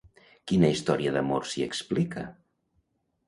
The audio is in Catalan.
Quina història d'amor s'hi explica?